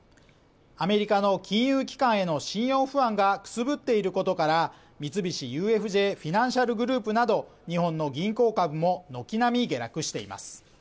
アメリカの金融機関への信用不安がくすぶっていることから、三菱ＵＦＪフィナンシャル・グループなど日本の銀行株も軒並み下落しています。